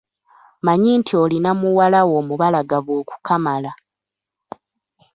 Mmanyi nti olina muwala wo omubalagavu okukamala.